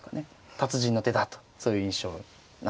達人の手だとそういう印象なんですけれども。